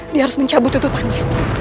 dia harus mencabut tutupannya